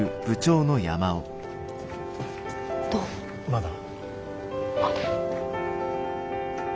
まだ。